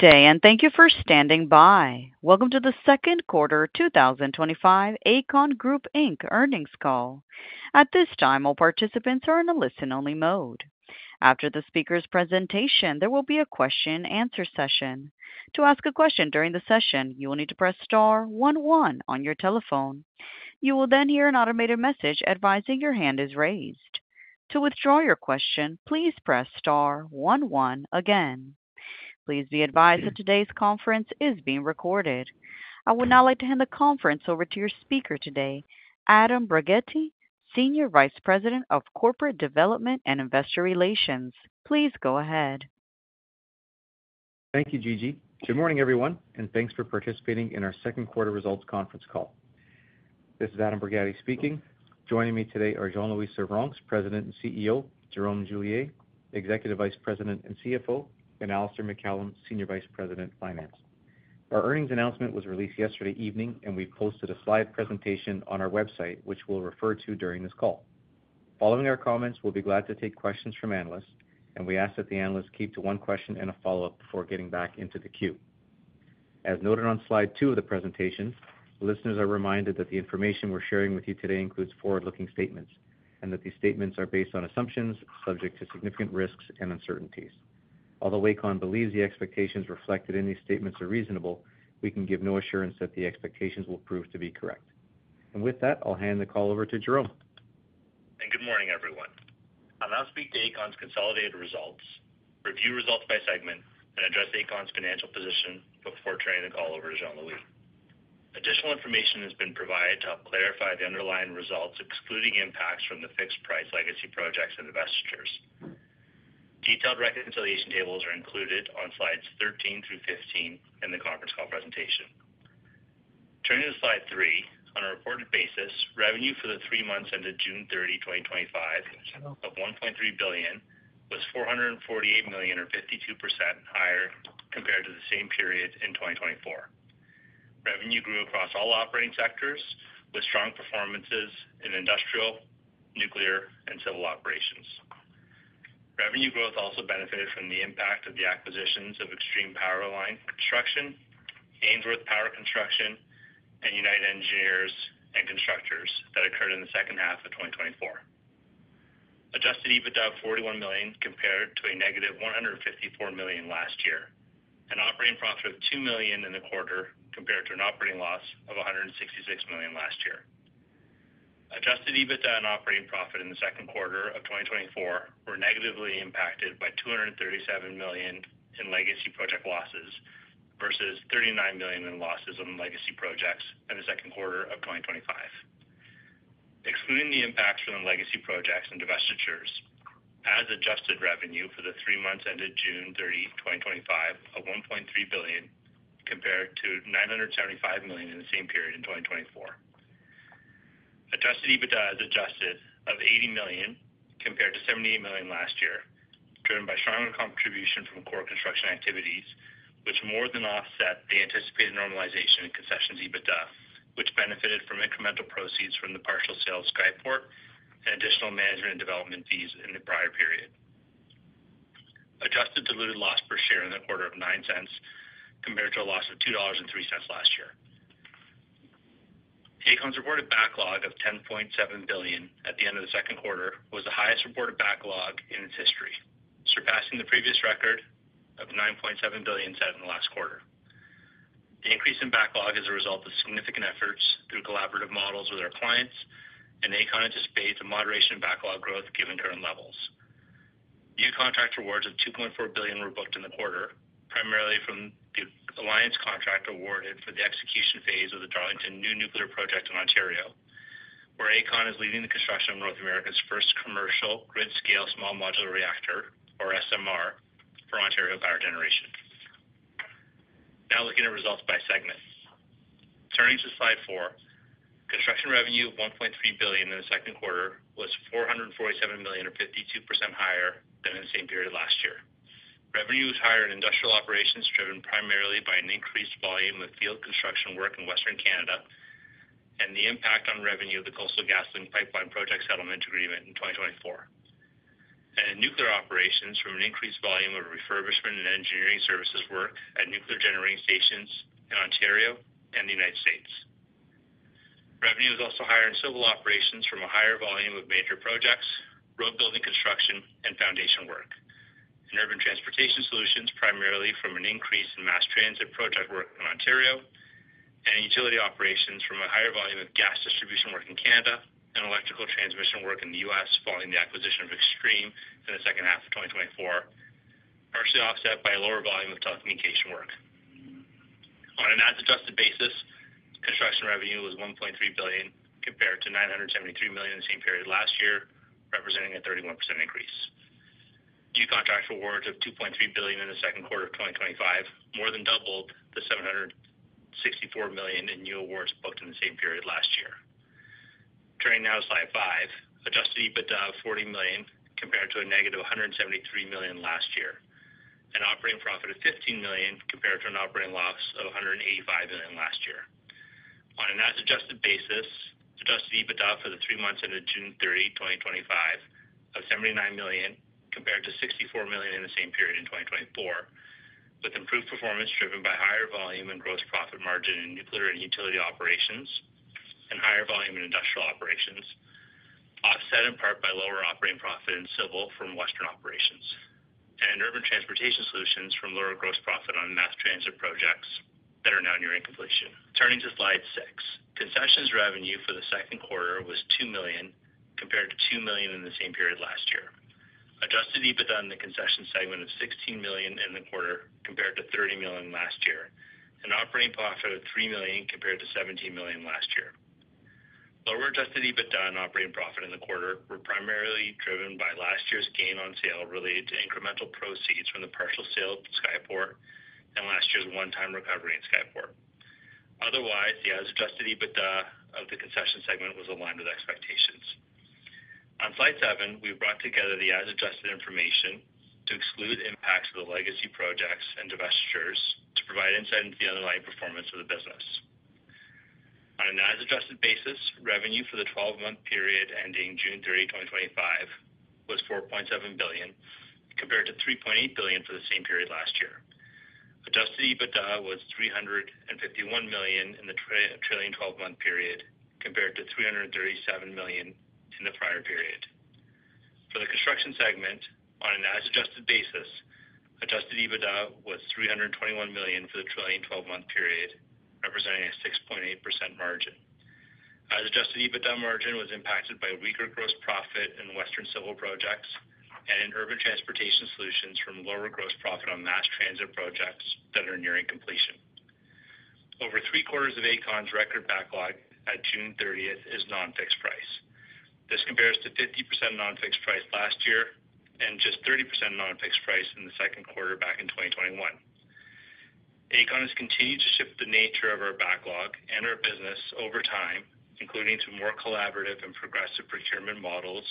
Good day, and thank you for standing by. Welcome to the second quarter 2025 Aecon Group Inc. earnings call. At this time, all participants are in a listen-only mode. After the speaker's presentation, there will be a question-and-answer session. To ask a question during the session, you will need to press star one one on your telephone. You will then hear an automated message advising your hand is raised. To withdraw your question, please press star one one again. Please be advised that today's conference is being recorded. I would now like to hand the conference over to your speaker today, Adam Borgatti, Senior Vice President, Corporate Development & Investor Relations. Please go ahead. Thank you, Gigi. Good morning, everyone, and thanks for participating in our second quarter results conference call. This is Adam Borgatti speaking. Joining me today are Jean-Louis Servranckx, President and CEO, Jerome Julier, Executive Vice President and CFO, and Alistair MacCallum, Senior Vice President, Finance. Our earnings announcement was released yesterday evening, and we posted a slide presentation on our website, which we'll refer to during this call. Following our comments, we'll be glad to take questions from analysts, and we ask that the analysts keep to one question and a follow-up before getting back into the queue. As noted on slide two of the presentation, listeners are reminded that the information we're sharing with you today includes forward-looking statements and that these statements are based on assumptions subject to significant risks and uncertainties. Although Aecon believes the expectations reflected in these statements are reasonable, we can give no assurance that the expectations will prove to be correct. With that, I'll hand the call over to Jerome. Good morning, everyone. I'll now speak to Aecon's consolidated results, review results by segment, and address Aecon's financial position before turning the call over to Jean-Louis. Additional information has been provided to help clarify the underlying results, excluding impacts from the fixed price legacy projects and divestitures. Detailed reconciliation tables are included on slides 13 through 15 in the conference call presentation. Turning to slide three, on a reported basis, revenue for the three months ended June 30, 2025, of 1.3 billion was 448 million, or 52% higher compared to the same period in 2024. Revenue grew across all operating sectors, with strong performances in industrial, nuclear, and civil operations. Revenue growth also benefited from the impact of the acquisitions of Extreme Power Line Construction, Ainsworth Power Construction, and United Engineers and Constructors that occurred in the second half of 2024. Adjusted EBITDA of 41 million compared to a -154 million last year, and operating profit of 2 million in the quarter compared to an operating loss of 166 million last year. Adjusted EBITDA and operating profit in the second quarter of 2024 were negatively impacted by 237 million in legacy project losses versus 39 million in losses on legacy projects in the second quarter of 2025. Excluding the impacts from the legacy projects and divestitures, as adjusted, revenue for the three months ended June 30, 2025, of 1.3 billion compared to 975 million in the same period in 2024. Adjusted EBITDA, as adjusted, of 80 million compared to 78 million last year, driven by strong contributions from core construction activities, which more than offset the anticipated normalization in concessions EBITDA, which benefited from incremental proceeds from the partial sales of Skyport and additional management and development fees in the prior period. Adjusted diluted loss per share in the quarter of 0.09 compared to a loss of 2.03 dollars last year. Aecon's reported backlog of 10.7 billion at the end of the second quarter was the highest reported backlog in its history, surpassing the previous record of 9.7 billion set in the last quarter. The increase in backlog is a result of significant efforts through collaborative models with our clients, and Aecon anticipates a moderation in backlog growth given current levels. New contract awards of 2.4 billion were booked in the quarter, primarily from the Alliance contract awarded for the execution phase of the Darlington New Nuclear Project in Ontario, where Aecon is leading the construction of North America's first commercial grid-scale small modular reactor, or SMR, for Ontario Power Generation. Now looking at results by segment. Turning to slide four, construction revenue of 1.3 billion in the second quarter was 447 million, or 52% higher than in the same period last year. Revenue was higher in industrial operations, driven primarily by an increased volume of field construction work in Western Canada and the impact on revenue of the Coastal Gasoline Pipeline Project Settlement Agreement in 2024, and in nuclear operations from an increased volume of refurbishment and engineering services work at nuclear generating stations in Ontario and the U.S. Revenue was also higher in civil operations from a higher volume of major projects, road building construction, and foundation work, and urban transportation solutions primarily from an increase in mass transit project work in Ontario and utility operations from a higher volume of gas distribution work in Canada and electrical transmission work in the U.S. following the acquisition of Extreme Power Line Construction in the second half of 2024, partially offset by a lower volume of telecommunication work. On an adjusted basis, construction revenue was 1.3 billion compared to 973 million in the same period last year, representing a 31% increase. New contractual awards of 2.3 billion in the second quarter of 2025 more than doubled the 764 million in new awards booked in the same period last year. Turning now to slide five, adjusted EBITDA of 40 million compared to a negative 173 million last year and operating profit of 15 million compared to an operating loss of 185 million last year. On an adjusted basis, adjusted EBITDA for the three months ended June 30, 2025, of 79 million compared to 64 million in the same period in 2024, with improved performance driven by higher volume and gross profit margin in nuclear and utility operations and higher volume in industrial operations, offset in part by lower operating profit in civil from Western operations and in urban transportation solutions from lower gross profit on mass transit projects that are now nearing completion. Turning to slide six, concessions revenue for the second quarter was 2 million compared to 2 million in the same period last year. Adjusted EBITDA in the concessions segment of 16 million in the quarter compared to 30 million last year, and operating profit of 3 million compared to 17 million last year. Lower adjusted EBITDA and operating profit in the quarter were primarily driven by last year's gain on sale related to incremental proceeds from the partial sale of Skyport and last year's one-time recovery in Skyport. Otherwise, the adjusted EBITDA of the concessions segment was aligned with expectations. On slide seven, we've brought together the adjusted information to exclude impacts of the legacy projects and divestitures, provide insight into the underlying performance of the business. On an adjusted basis, revenue for the 12-month period ending June 30, 2025, was 4.7 billion compared to 3.8 billion for the same period last year. Adjusted EBITDA was 351 million in the trailing 12-month period compared to 337 million in the prior period. For the construction segment, on an adjusted basis, adjusted EBITDA was 321 million for the trailing 12-month period, representing a 6.8% margin. Adjusted EBITDA margin was impacted by weaker gross profit in Western civil projects and in urban transportation solutions from lower gross profit on mass transit projects that are nearing completion. Over three quarters of Aecon's record backlog at June 30 is non-fixed price. This compares to 50% non-fixed price last year and just 30% non-fixed price in the second quarter back in 2021. Aecon has continued to shift the nature of our backlog and our business over time, including through more collaborative and progressive procurement models,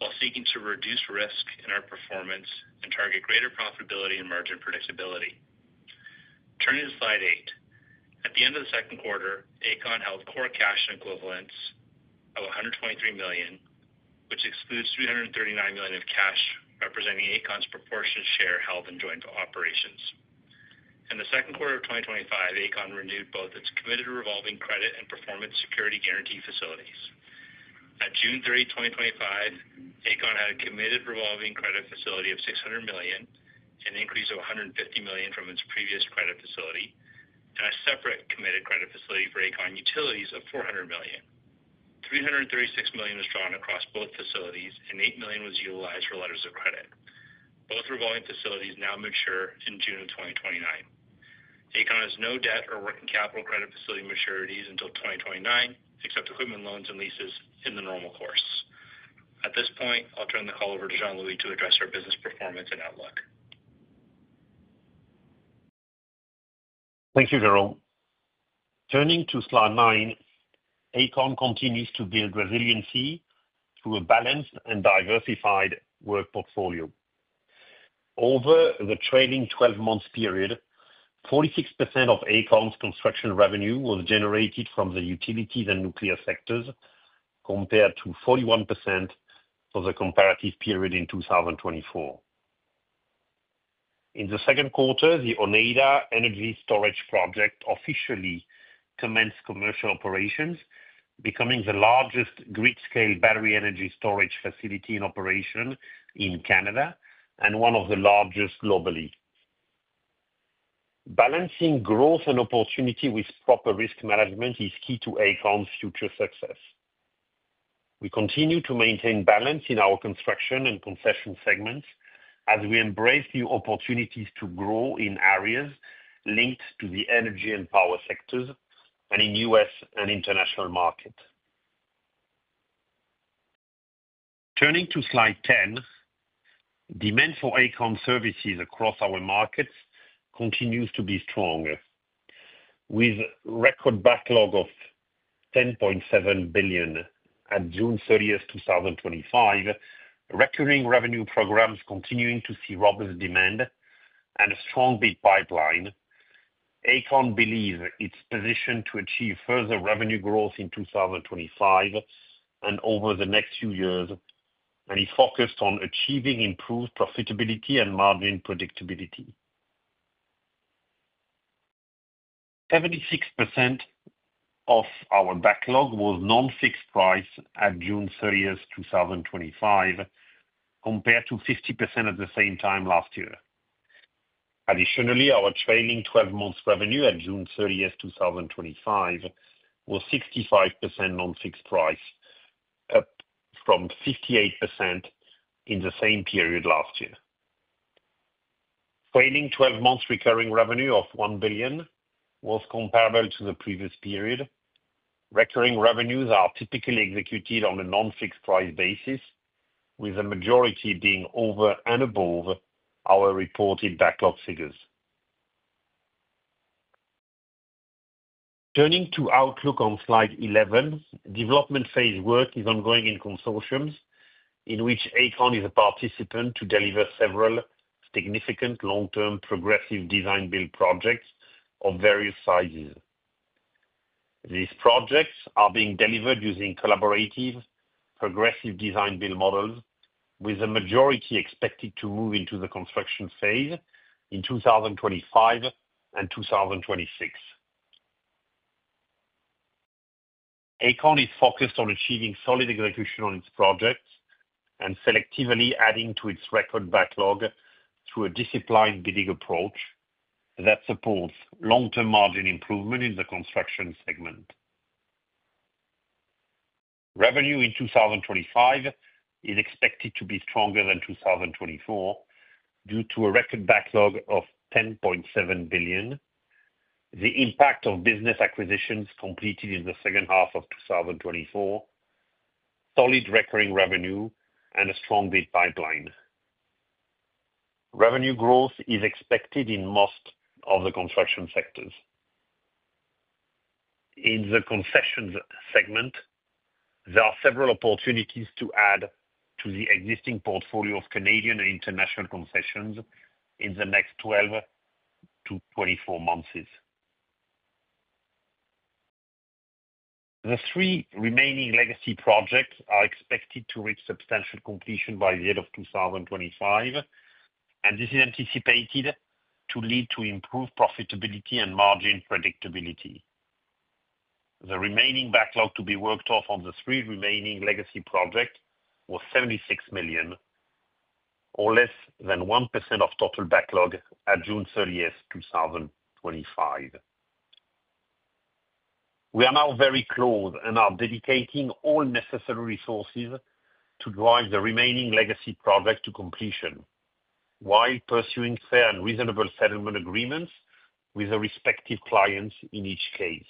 while seeking to reduce risk in our performance and target greater profitability and margin predictability. Turning to slide eight, at the end of the second quarter, Aecon held core cash equivalents of 123 million, which excludes 339 million of cash representing Aecon's proportionate share held in joint operations. In the second quarter of 2025, Aecon renewed both its committed revolving credit and performance security guarantee facilities. At June 30, 2025, Aecon had a committed revolving credit facility of 600 million, an increase of 150 million from its previous credit facility, and a separate committed credit facility for Aecon Utilities of 400 million. 336 million was drawn across both facilities, and 8 million was utilized for letters of credit. Both revolving facilities now mature in June 2029. Aecon has no debt or working capital credit facility maturities until 2029, except equipment loans and leases in the normal course. At this point, I'll turn the call over to Jean-Louis to address our business performance and outlook. Thank you, Jerome. Turning to slide nine, Aecon continues to build resiliency through a balanced and diversified work portfolio. Over the trailing 12-month period, 46% of Aecon's construction revenue was generated from the utilities and nuclear sectors compared to 41% of the comparative period in 2024. In the second quarter, the Oneida Energy Storage Project officially commenced commercial operations, becoming the largest grid-scale battery energy storage facility in operation in Canada and one of the largest globally. Balancing growth and opportunity with proper risk management is key to Aecon's future success. We continue to maintain balance in our construction and concession segments as we embrace new opportunities to grow in areas linked to the energy and power sectors and in the U.S. and international market. Turning to slide 10, demand for Aecon services across our markets continues to be strong. With a record backlog of 10.7 billion at June 30, 2025, recurring revenue programs continue to see robust demand and a strong bid pipeline. Aecon believes it's positioned to achieve further revenue growth in 2025 and over the next few years, and is focused on achieving improved profitability and margin predictability. 76% of our backlog was non-fixed price at June 30, 2025, compared to 50% at the same time last year. Additionally, our trailing 12-month revenue at June 30, 2025, was 65% non-fixed price, up from 58% in the same period last year. Trailing 12-month recurring revenue of 1 billion was comparable to the previous period. Recurring revenues are typically executed on a non-fixed price basis, with the majority being over and above our reported backlog figures. Turning to outlook on slide 11, development phase work is ongoing in consortiums in which Aecon is a participant to deliver several significant long-term progressive design-build projects of various sizes. These projects are being delivered using collaborative progressive design-build models, with a majority expected to move into the construction phase in 2025 and 2026. Aecon is focused on achieving solid execution on its projects and selectively adding to its record backlog through a disciplined bidding approach that supports long-term margin improvement in the construction segment. Revenue in 2025 is expected to be stronger than 2024 due to a record backlog of 10.7 billion, the impact of business acquisitions completed in the second half of 2024, solid recurring revenue, and a strong bid pipeline. Revenue growth is expected in most of the construction sectors. In the concessions segment, there are several opportunities to add to the existing portfolio of Canadian and international concessions in the next 12-24 months. The three remaining legacy projects are expected to reach substantial completion by the end of 2025, and this is anticipated to lead to improved profitability and margin predictability. The remaining backlog to be worked off on the three remaining legacy projects was 76 million, or less than 1% of total backlog at June 30, 2025. We are now very close and are dedicating all necessary resources to drive the remaining legacy projects to completion while pursuing fair and reasonable settlement agreements with the respective clients in each case.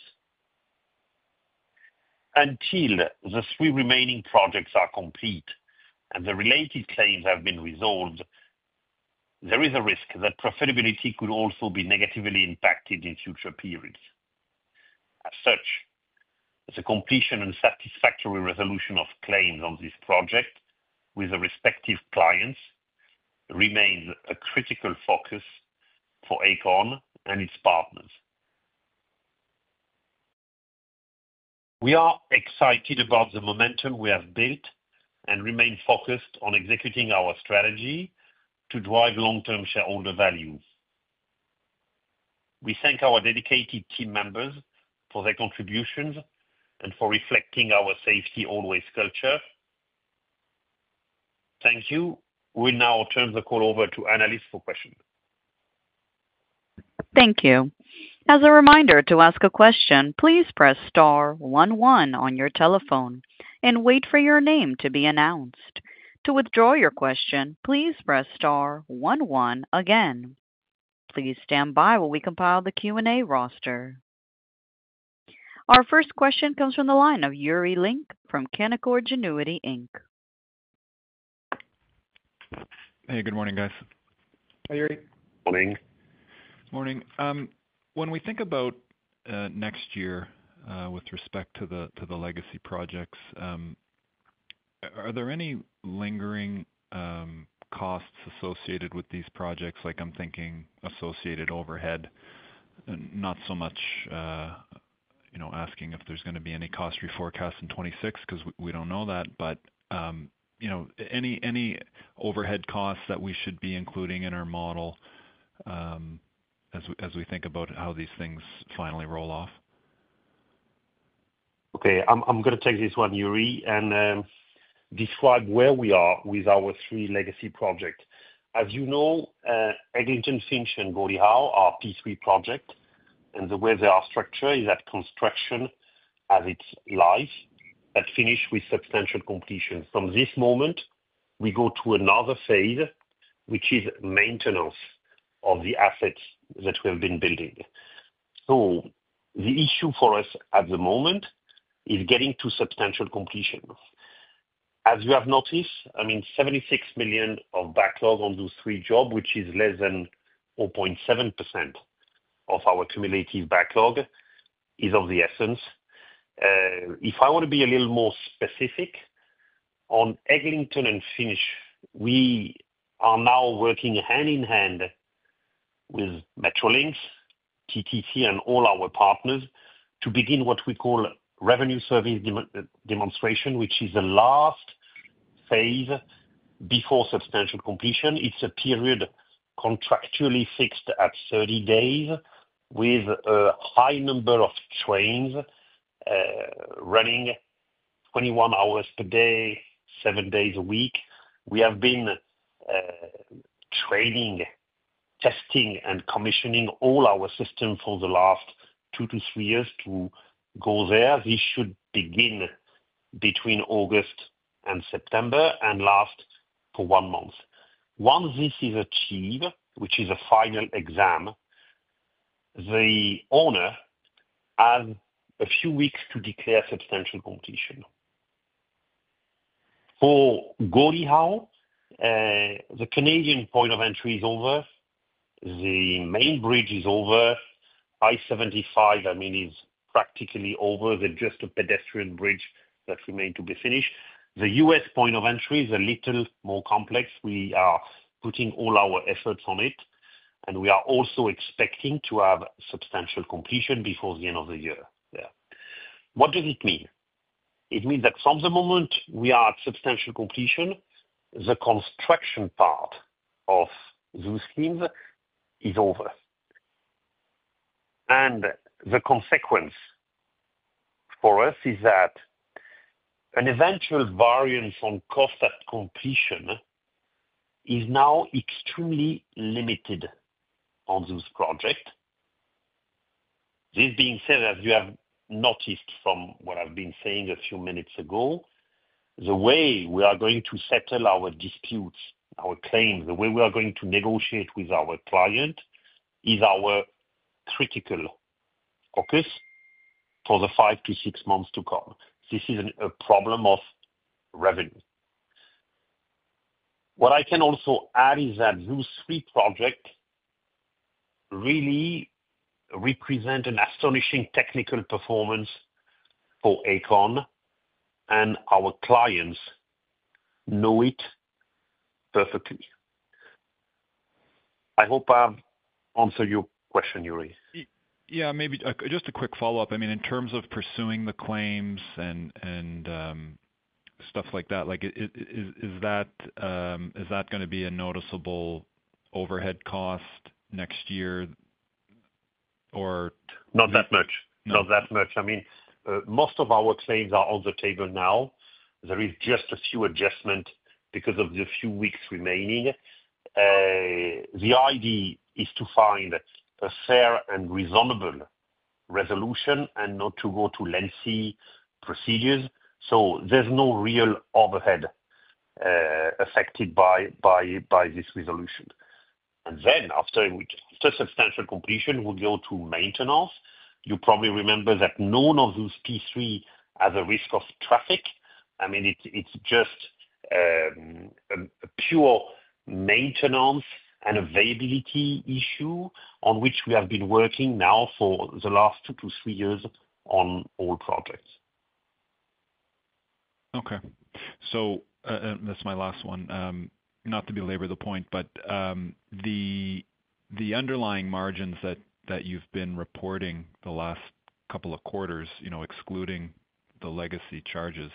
Until the three remaining projects are complete and the related claims have been resolved, there is a risk that profitability could also be negatively impacted in future periods. As such, the completion and satisfactory resolution of claims on these projects with the respective clients remains a critical focus for Aecon and its partners. We are excited about the momentum we have built and remain focused on executing our strategy to drive long-term shareholder value. We thank our dedicated team members for their contributions and for reflecting our safety always culture. Thank you. We now turn the call over to analysts for questions. Thank you. As a reminder, to ask a question, please press star one one on your telephone and wait for your name to be announced. To withdraw your question, please press star one one again. Please stand by while we compile the Q&A roster. Our first question comes from the line of Yuri Lynk from Canaccord Genuity, Inc. Hey, good morning, guys. Hi, Yuri. Morning. Morning. When we think about next year with respect to the legacy projects, are there any lingering costs associated with these projects? I'm thinking associated overhead, not so much asking if there's going to be any cost reforecast in 2026 because we don't know that, but any overhead costs that we should be including in our model as we think about how these things finally roll off? Okay. I'm going to take this one, Yuri, and describe where we are with our three legacy projects. As you know, Eglinton, Finch, and Gordie Howe are P3 projects, and the way they are structured is that construction, as it lies at finish, with substantial completion. From this moment, we go to another phase, which is maintenance of the assets that we have been building. The issue for us at the moment is getting to substantial completion. As you have noticed, I mean, 76 million of backlog on those three jobs, which is less than 4.7% of our cumulative backlog, is of the essence. If I want to be a little more specific, on Eglinton and Finch, we are now working hand in hand with Metrolinx, PTC, and all our partners to begin what we call revenue survey demonstration, which is the last phase before substantial completion. It's a period contractually fixed at 30 days with a high number of trains running 21 hours per day, seven days a week. We have been training, testing, and commissioning all our systems for the last two to three years to go there. This should begin between August and September and last for one month. Once this is achieved, which is a final exam, the owner has a few weeks to declare substantial completion. For Gordie Howe, the Canadian point of entry is over. The main bridge is over. I-75, I mean, is practically over. There's just a pedestrian bridge that remains to be finished. The U.S. point of entry is a little more complex. We are putting all our efforts on it, and we are also expecting to have substantial completion before the end of the year. What does it mean? It means that from the moment we are at substantial completion, the construction part of those schemes is over. The consequence for us is that an eventual variance on cost at completion is now extremely limited on those projects. This being said, as you have noticed from what I've been saying a few minutes ago, the way we are going to settle our disputes, our claims, the way we are going to negotiate with our client is our critical focus for the five to six months to come. This is a problem of revenue. What I can also add is that those three projects really represent an astonishing technical performance for Aecon, and our clients know it perfectly. I hope I've answered your question, Yuri. Yeah, maybe just a quick follow-up. I mean, in terms of pursuing the claims and stuff like that, is that going to be a noticeable overhead cost next year, or? Not that much. Not that much. I mean, most of our claims are on the table now. There are just a few adjustments because of the few weeks remaining. The idea is to find a fair and reasonable resolution and not to go to lengthy procedures. There's no real overhead affected by this resolution. After substantial completion, we go to maintenance. You probably remember that none of those P3 projects has a risk of traffic. I mean, it's just a pure maintenance and availability issue on which we have been working now for the last two to three years on all projects. Okay. This is my last one. Not to belabor the point, but the underlying margins that you've been reporting the last couple of quarters, excluding the legacy charges,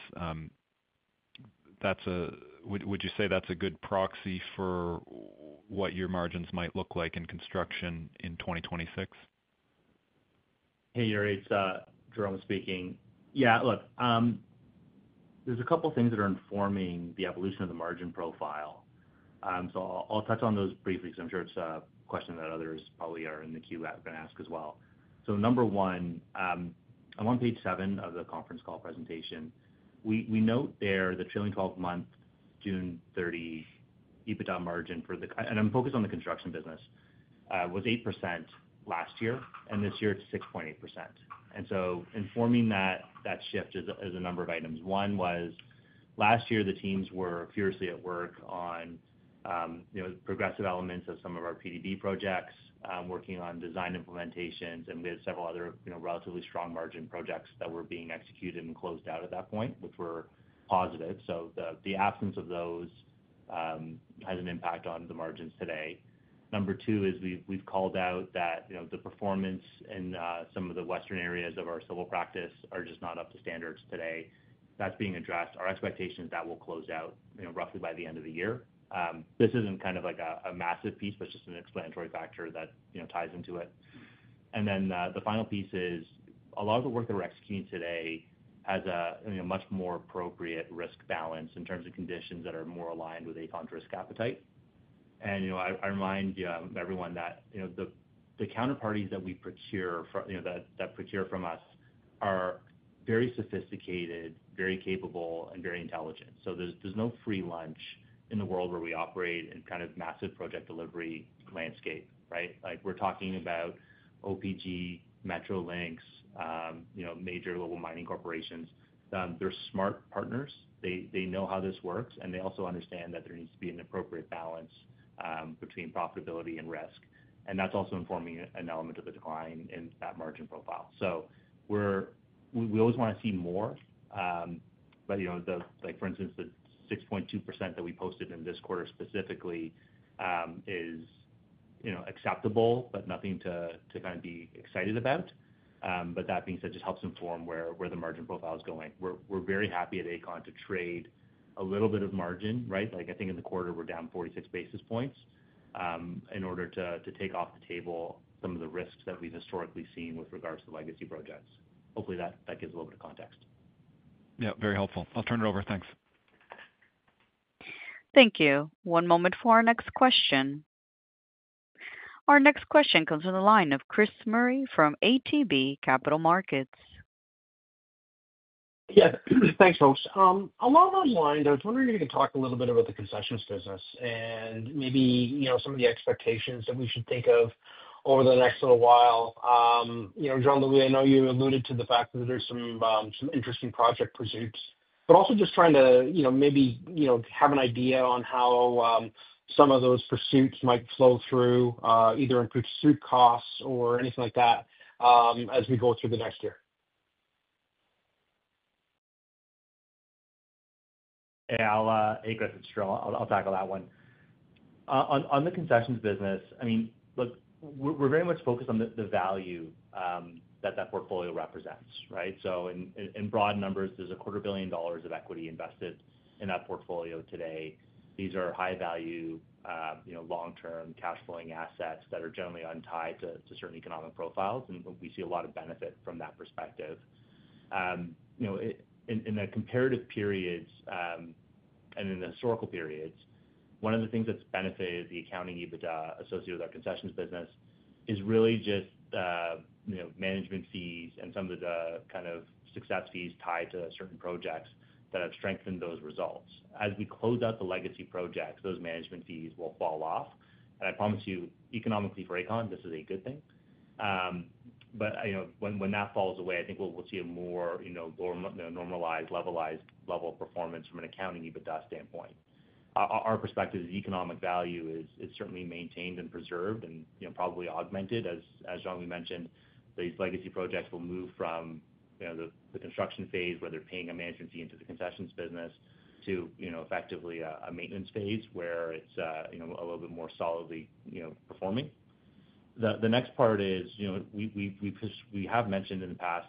would you say that's a good proxy for what your margins might look like in construction in 2026? Hey, Yuri. It's Jerome speaking. Yeah, look, there's a couple of things that are informing the evolution of the margin profile. I'll touch on those briefly because I'm sure it's a question that others probably are in the queue that are going to ask as well. Number one, I'm on page seven of the conference call presentation. We note there the trailing 12-month June 30 EBITDA margin for the, and I'm focused on the construction business, was 8% last year, and this year, it's 6.8%. Informing that shift is a number of items. One was last year, the teams were furiously at work on progressive elements of some of our P3 projects, working on design implementations, and we had several other relatively strong margin projects that were being executed and closed out at that point, which were positive. The absence of those has an impact on the margins today. Number two is we've called out that the performance in some of the western areas of our civil practice are just not up to standards today. That's being addressed. Our expectation is that we'll close out roughly by the end of the year. This isn't a massive piece, but it's just an explanatory factor that ties into it. The final piece is a lot of the work that we're executing today has a much more appropriate risk balance in terms of conditions that are more aligned with Aecon's risk appetite. I remind everyone that the counterparties that we procure from, that procure from us, are very sophisticated, very capable, and very intelligent. There's no free lunch in the world where we operate in kind of massive project delivery landscape, right? We're talking about Ontario Power Generation, Metrolinx, major global mining corporations. They're smart partners. They know how this works, and they also understand that there needs to be an appropriate balance between profitability and risk. That's also informing an element of the decline in that margin profile. We always want to see more, but, for instance, the 6.2% that we posted in this quarter specifically is acceptable, but nothing to be excited about. That being said, it just helps inform where the margin profile is going. We're very happy at Aecon to trade a little bit of margin. I think in the quarter, we're down 46 basis points in order to take off the table some of the risks that we've historically seen with regards to legacy projects. Hopefully, that gives a little bit of context. Yeah, very helpful. I'll turn it over. Thanks. Thank you. One moment for our next question. Our next question comes from the line of Christopher Allan Murray from ATB Capital Markets. Yes. Thanks, folks. Along those lines, I was wondering if you could talk a little bit about the concessions business and maybe, you know, some of the expectations that we should think of over the next little while. Jerome, I know you alluded to the fact that there's some interesting project pursuits, but also just trying to, you know, maybe have an idea on how some of those pursuits might flow through, either increased suit costs or anything like that, as we go through the next year. Yeah, I'll tackle that one. On the concessions business, I mean, look, we're very much focused on the value that that portfolio represents, right? In broad numbers, there's a quarter billion dollars of equity invested in that portfolio today. These are high-value, long-term cash-flowing assets that are generally untied to certain economic profiles, and we see a lot of benefit from that perspective. In the comparative periods and in the historical periods, one of the things that's benefited the accounting EBITDA associated with our concessions business is really just management fees and some of the kind of success fees tied to certain projects that have strengthened those results. As we close out the legacy projects, those management fees will fall off. I promise you, economically for Aecon, this is a good thing. When that falls away, I think we'll see a more normalized, levelized level of performance from an accounting EBITDA standpoint. Our perspective is the economic value is certainly maintained and preserved and probably augmented as, as Jean-Louis mentioned, these legacy projects will move from the construction phase where they're paying a management fee into the concessions business to effectively a maintenance phase where it's a little bit more solidly performing. The next part is, we have mentioned in the past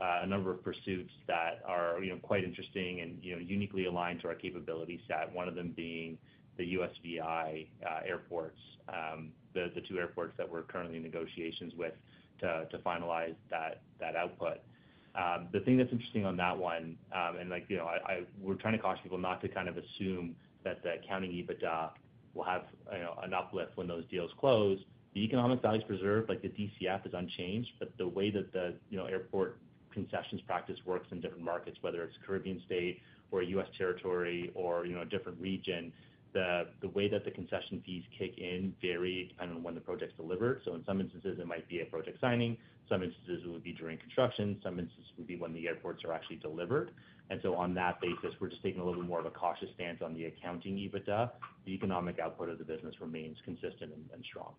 a number of pursuits that are quite interesting and uniquely aligned to our capability set, one of them being the USVI airports, the two airports that we're currently in negotiations with to finalize that output. The thing that's interesting on that one, and we're trying to caution people not to assume that the accounting EBITDA will have an uplift when those deals close. The economic value is preserved, like the DCF is unchanged, but the way that the airport concessions practice works in different markets, whether it's Caribbean State or a U.S. territory or a different region, the way that the concession fees kick in vary depending on when the project's delivered. In some instances, it might be at project signing. In some instances, it would be during construction. In some instances, it would be when the airports are actually delivered. On that basis, we're just taking a little bit more of a cautious stance on the accounting EBITDA. The economic output of the business remains consistent and strong.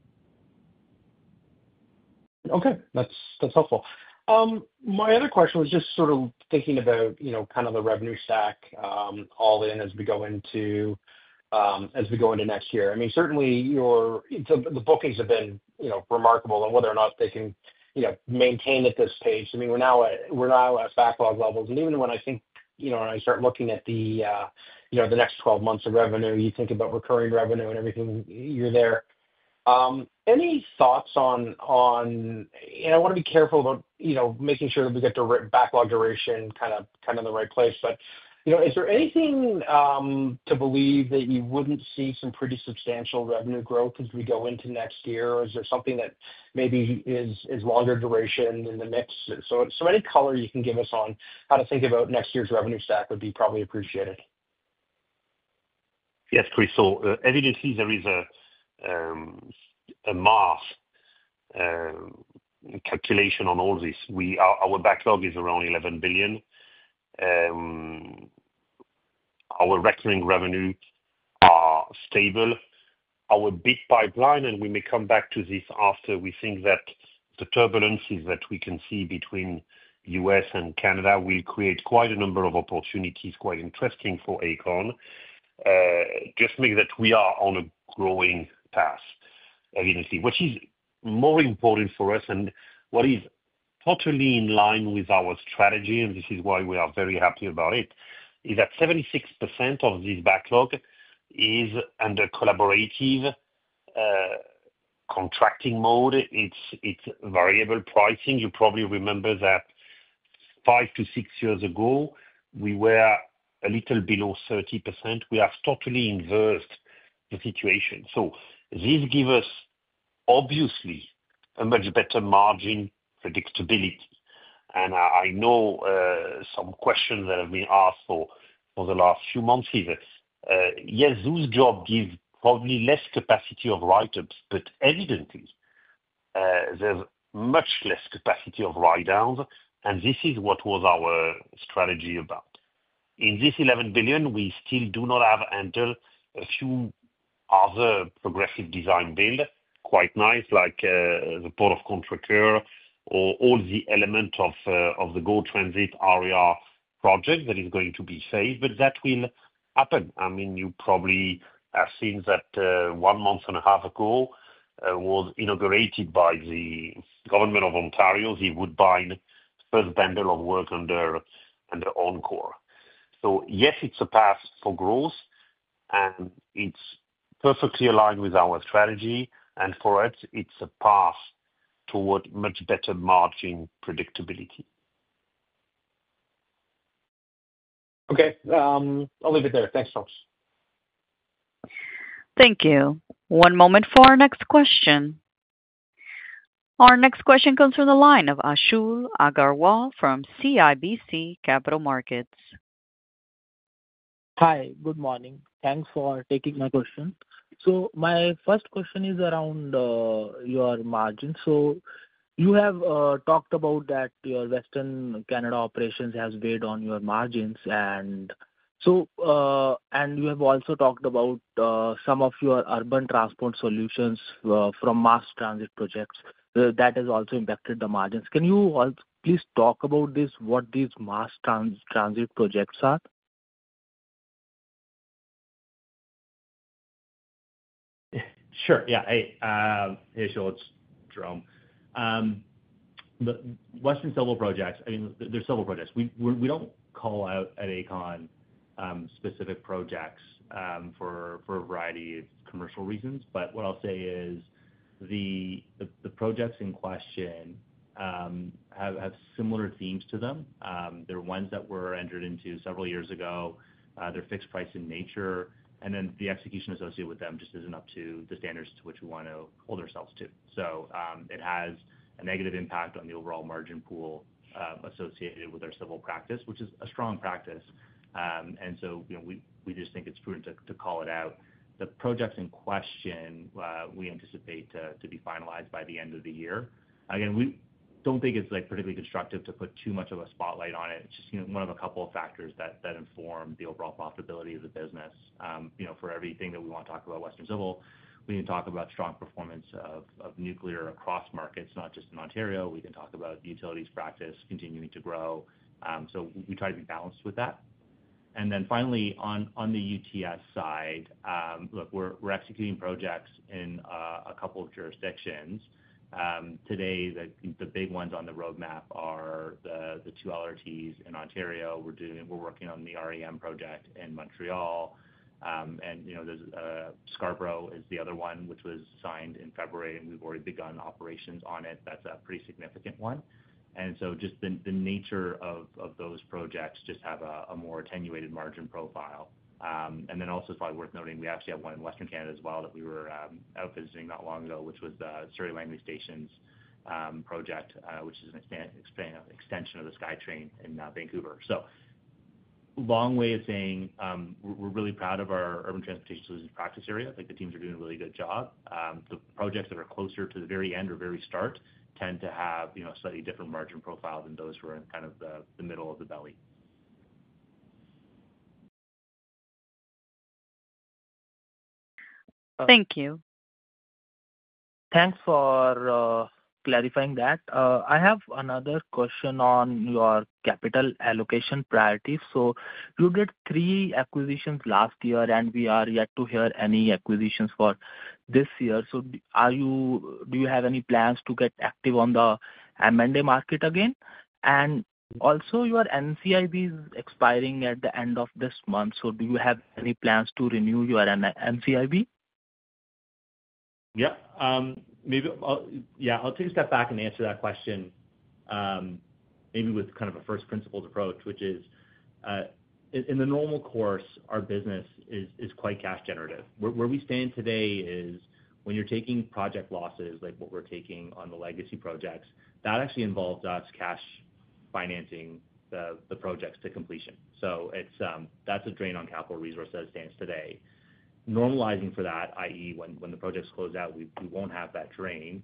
Okay. That's helpful. My other question was just sort of thinking about, you know, kind of the revenue stack, all in as we go into next year. I mean, certainly, your bookings have been remarkable, and whether or not they can maintain at this pace. I mean, we're now at backlog levels. Even when I think, you know, when I start looking at the next 12 months of revenue, you think about recurring revenue and everything, you're there. Any thoughts on, and I want to be careful about making sure that we get the written backlog duration kind of in the right place. Is there anything to believe that you wouldn't see some pretty substantial revenue growth as we go into next year, or is there something that maybe is longer duration in the mix? Any color you can give us on how to think about next year's revenue stack would be probably appreciated. Yes, Chris. As you can see, there is a mass calculation on all this. Our backlog is around 11 billion. Our recurring revenue is stable. Our bid pipeline, and we may come back to this after, we think that the turbulence that we can see between the U.S. and Canada will create quite a number of opportunities, quite interesting for Aecon. Just make that we are on a growing path, evidently, which is more important for us, and what is totally in line with our strategy, and this is why we are very happy about it, is that 76% of this backlog is under collaborative contracting mode. It's variable pricing. You probably remember that five to six years ago, we were a little below 30%. We have totally inversed the situation. This gives us, obviously, a much better margin predictability. I know some questions that have been asked for the last few months are, yes, those jobs give probably less capacity of write-ups, but evidently, there's much less capacity of write-downs, and this is what was our strategy about. In this 11 billion, we still do not have until a few other progressive design builds, quite nice, like the Port of Contrecoeur or all the elements of the gold transit area project that is going to be saved, but that will happen. You probably have seen that one month and a half ago, it was inaugurated by the Government of Ontario's Woodbine first bundle of work under Encore. Yes, it's a path for growth, and it's perfectly aligned with our strategy, and for us, it's a path toward much better margin predictability. Okay, I'll leave it there. Thanks, folks. Thank you. One moment for our next question. Our next question comes from the line of Anshul Agarwal from CIBC. Hi. Good morning. Thanks for taking my question. My first question is around your margins. You have talked about that your Western Canada operations have weighed on your margins, and you have also talked about some of your urban transport solutions from mass transit projects that has also impacted the margins. Can you all please talk about this, what these mass transit projects are? Sure. Yeah. Hey, hey, it's Jerome. The Western civil projects, I mean, they're civil projects. We don't call out at Aecon, specific projects for a variety of commercial reasons. What I'll say is the projects in question have similar themes to them. They're ones that were entered into several years ago. They're fixed price in nature, and the execution associated with them just isn't up to the standards to which we want to hold ourselves to. It has a negative impact on the overall margin pool associated with our civil practice, which is a strong practice. We just think it's prudent to call it out. The projects in question, we anticipate to be finalized by the end of the year. We don't think it's particularly constructive to put too much of a spotlight on it. It's just one of a couple of factors that inform the overall profitability of the business. For everything that we want to talk about Western civil, we can talk about strong performance of nuclear across markets, not just in Ontario. We can talk about the utilities practice continuing to grow. We try to be balanced with that. Finally, on the UTS side, look, we're executing projects in a couple of jurisdictions. Today, the big ones on the roadmap are the two LRTs in Ontario. We're working on the REM project in Montreal, and there's a Scarborough is the other one, which was signed in February, and we've already begun operations on it. That's a pretty significant one. The nature of those projects just have a more attenuated margin profile. It's probably worth noting we actually have one in Western Canada as well that we were out visiting not long ago, which was the Surrey Langley Stations project, which is an expanded extension of the SkyTrain in Vancouver. A long way of saying, we're really proud of our urban transportation solutions practice area. I think the teams are doing a really good job. The projects that are closer to the very end or very start tend to have a slightly different margin profile than those who are in kind of the middle of the belly. Thank you. Thanks for clarifying that. I have another question on your capital allocation priorities. You did three acquisitions last year, and we are yet to hear any acquisitions for this year. Do you have any plans to get active on the M&A market again? Also, your NCIB is expiring at the end of this month. Do you have any plans to renew your NCIB? Yeah. I'll take a step back and answer that question, maybe with kind of a first-principled approach, which is, in the normal course, our business is quite cash-generative. Where we stand today is when you're taking project losses, like what we're taking on the legacy projects, that actually involves us cash financing the projects to completion. That's a drain on capital resources as it stands today. Normalizing for that, i.e., when the projects close out, we won't have that drain.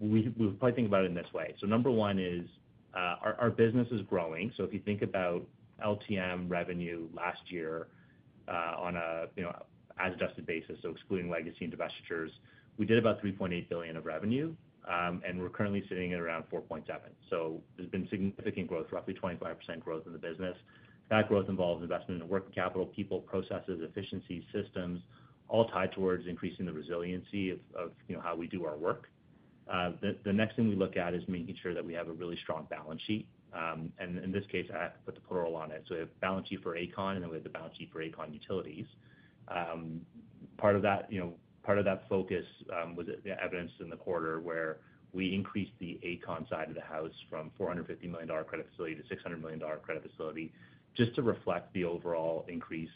We would probably think about it in this way. Number one is, our business is growing. If you think about LTM revenue last year, on a, you know, as-adjusted basis, so excluding legacy and divestitures, we did about 3.8 billion of revenue, and we're currently sitting at around 4.7 billion. There's been significant growth, roughly 25% growth in the business. That growth involves investment in work with capital, people, processes, efficiencies, systems, all tied towards increasing the resiliency of how we do our work. The next thing we look at is making sure that we have a really strong balance sheet. In this case, I put the plural on it. We have a balance sheet for Aecon, and then we have the balance sheet for Aecon Utilities. Part of that focus was evidenced in the quarter where we increased the Aecon side of the house from a 450 million dollar credit facility to a 600 million dollar credit facility just to reflect the overall increase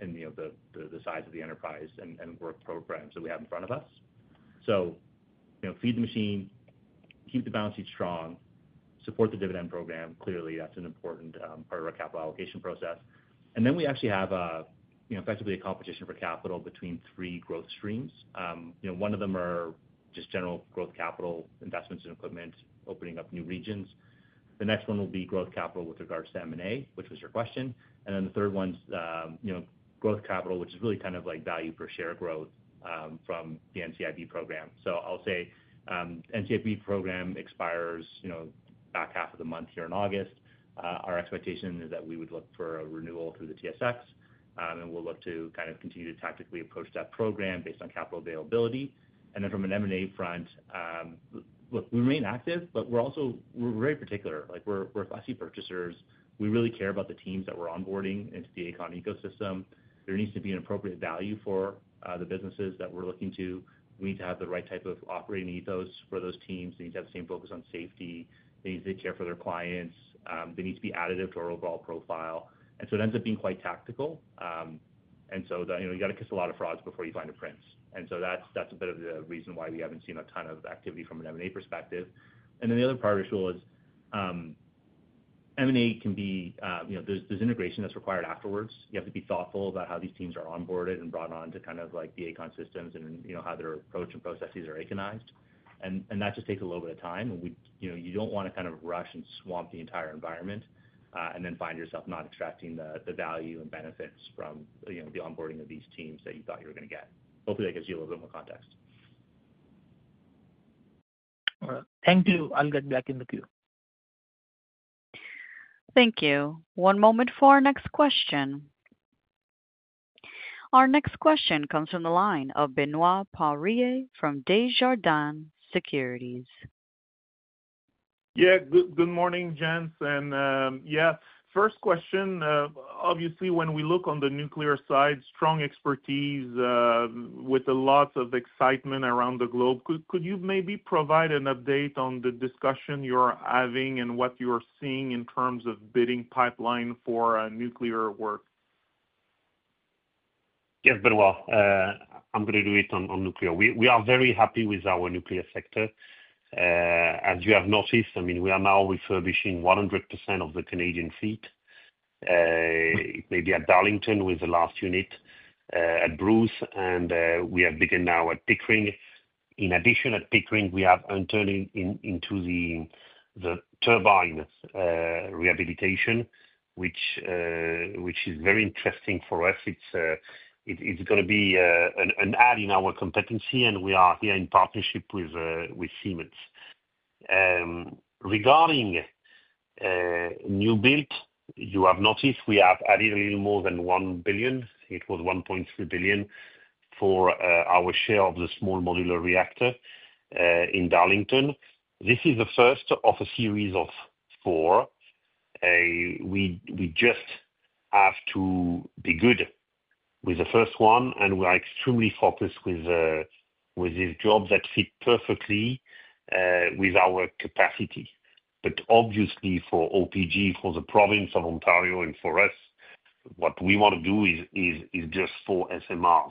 and the size of the enterprise and work programs that we have in front of us. Feed the machine, keep the balance sheet strong, support the dividend program. Clearly, that's an important part of our capital allocation process. We actually have, effectively, a competition for capital between three growth streams. One of them is just general growth capital investments in equipment, opening up new regions. The next one will be growth capital with regards to M&A, which was your question. The third one is growth capital, which is really kind of like value per share growth from the NCIB program. I'll say, NCIB program expires back half of the month here in August. Our expectation is that we would look for a renewal through the TSX, and we'll look to continue to tactically approach that program based on capital availability. From an M&A front, look, we remain active, but we're also very particular. We're fussy purchasers. We really care about the teams that we're onboarding into the Aecon ecosystem. There needs to be an appropriate value for the businesses that we're looking to. We need to have the right type of operating ethos for those teams. They need to have the same focus on safety. They need to take care for their clients. They need to be additive to our overall profile. It ends up being quite tactical. You have to kiss a lot of frogs before you find a prince. That's a bit of the reason why we haven't seen a ton of activity from an M&A perspective. The other part, Rachel, is M&A can be, you know, there's integration that's required afterwards. You have to be thoughtful about how these teams are onboarded and brought on to kind of like the Aecon systems and how their approach and processes are Aeconized. That just takes a little bit of time. You don't want to rush and swamp the entire environment, and then find yourself not extracting the value and benefits from the onboarding of these teams that you thought you were going to get. Hopefully, that gives you a little bit more context. Thank you. I'll get back in the queue. Thank you. One moment for our next question. Our next question comes from the line of Benoit Poirier from Desjardins Securities Inc. Good morning, Jean. First question, obviously, when we look on the nuclear side, strong expertise, with a lot of excitement around the globe. Could you maybe provide an update on the discussion you're having and what you're seeing in terms of bidding pipeline for nuclear work? Yes, Benoit. I'm going to do it on nuclear. We are very happy with our nuclear sector. As you have noticed, we are now refurbishing 100% of the Canadian fleet. It may be at Darlington with the last unit, at Bruce, and we have begun now at Pickering. In addition, at Pickering, we have entered into the turbine rehabilitation, which is very interesting for us. It's going to be an add in our competency, and we are here in partnership with Siemens. Regarding new build, you have noticed we have added a little more than 1 billion. It was 1.3 billion for our share of the small modular reactor in Darlington. This is the first of a series of four. We just have to be good with the first one, and we are extremely focused with these jobs that fit perfectly with our capacity. Obviously, for Ontario Power Generation, for the province of Ontario, and for us, what we want to do is just for SMR.